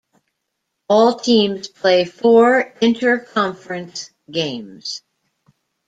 All teams play four interconference games.